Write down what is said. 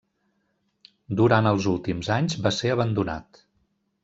Durant els últims anys va ser abandonat.